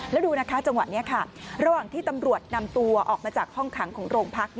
แล้วดูนะคะจังหวะนี้ค่ะระหว่างที่ตำรวจนำตัวออกมาจากห้องขังของโรงพัก